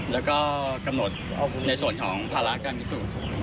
แล้วก็กำหนดในส่วนของภาระการพิสูจน์